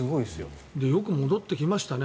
よく戻ってきましたね。